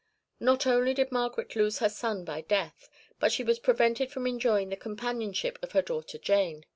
Not only did Margaret lose her son by death, but she was prevented from enjoying the companionship of her daughter Jane.